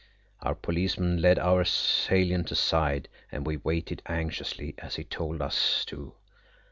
Our policeman led our assailant aside, and we waited anxiously, as he told us to.